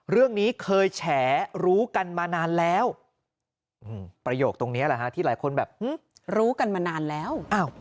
เรื่องนี้เคยแฉรู้กันมานานแล้ว